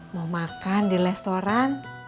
mau makan di restoran